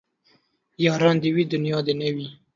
ياران دي وي دونيا دي نه وي